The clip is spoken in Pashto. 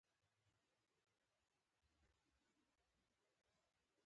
احمدشاه بابا به د مظلومو خلکو ملاتړ کاوه.